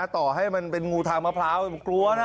ต่อให้มันเป็นงูทางมะพร้าวกลัวนะ